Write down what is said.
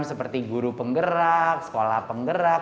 seperti guru penggerak sekolah penggerak